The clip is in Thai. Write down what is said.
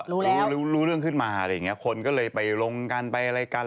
รู้รู้เรื่องขึ้นมาอะไรอย่างเงี้ยคนก็เลยไปลงกันไปอะไรกัน